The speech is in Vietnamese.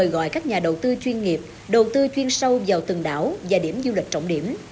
gọi các nhà đầu tư chuyên nghiệp đầu tư chuyên sâu vào từng đảo và điểm du lịch trọng điểm